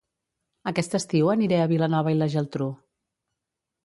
Aquest estiu aniré a Vilanova i la Geltrú